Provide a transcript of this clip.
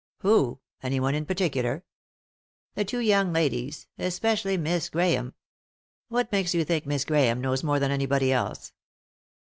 "Who? Anyone in particular ?" "The two young ladies ; especially Miss Grahame," "What makes you think Miss Grahame knows more than anybody else